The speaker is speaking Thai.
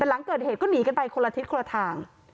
แต่หลังเกิดเหตุก็หนีกันไปคนละทิศคนละทาง